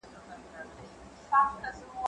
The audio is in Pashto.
زه به سبا د تکړښت لپاره ځم؟